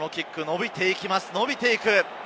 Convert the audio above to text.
伸びていく！